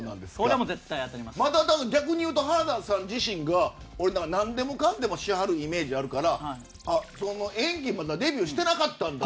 また逆に言うと花田さん自身がなんでもかんでもしはるイメージがあるから演技、まだデビューしてなかったんだって。